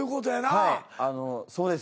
はいあのそうです。